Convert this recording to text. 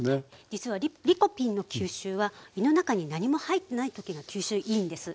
実はリコピンの吸収は胃の中に何も入ってない時が吸収いいんです。